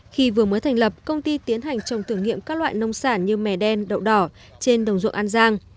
khi vừa mới thành lập công ty tiến hành trồng thử nghiệm các loại nông sản như mè đen đậu đỏ trên đồng ruộng an giang